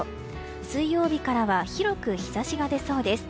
水曜日からは広く日差しが出そうです。